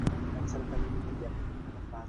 موږ باید په عمل کي رښتیني واوسو.